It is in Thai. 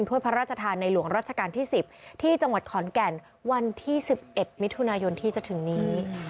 วันที่๑๑มิถุนายนที่จะถึงนี้